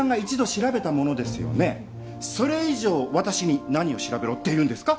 それ以上私に何を調べろっていうんですか？